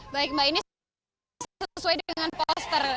baik mbak ini sesuai dengan poster